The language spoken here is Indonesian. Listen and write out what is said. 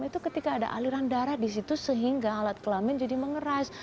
itu ketika ada aliran darah di situ sehingga alat kelamin jadi mengeras